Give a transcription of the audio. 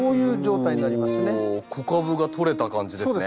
子株が取れた感じですね。